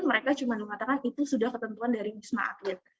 mereka cuma mengatakan itu sudah ketentuan dari bisma akhir